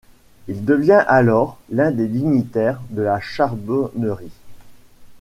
Il devient alors l'un des dignitaires de la Charbonnerie.